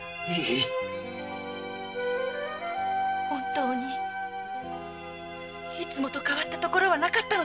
本当にいつもと変わったところはなかったのですか？